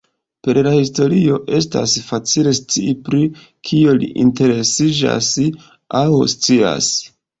Per la historio, estas facile scii pri kio li interesiĝas aŭ scias.